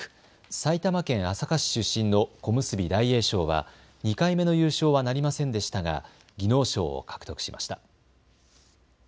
埼玉県朝霞市出身の小結・大栄翔は２回目の優勝はなりませんでしたが技能賞を獲得しました。